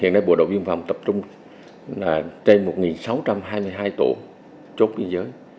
hiện nay bộ độ viêm phòng tập trung trên một sáu trăm hai mươi hai tổ chốt biên giới